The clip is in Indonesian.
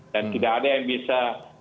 dan tidak ada yang bisa